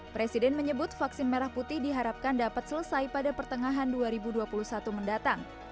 presiden menyebut vaksin merah putih diharapkan dapat selesai pada pertengahan dua ribu dua puluh satu mendatang